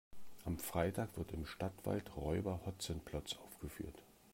Am Freitag wird im Stadtwald Räuber Hotzenplotz aufgeführt.